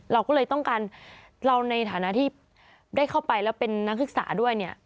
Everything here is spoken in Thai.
เราก็เลยต้องการเราในฐานะที่ได้เข้าไปแล้วเป็นนักศึกษาด้วยเนี่ย